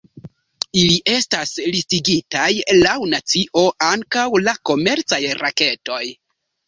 Ili estas listigitaj laŭ nacio, ankaŭ la komercaj raketoj.